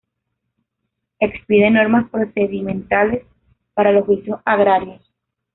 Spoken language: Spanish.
Expide normas procedimentales para los juicios agrarios.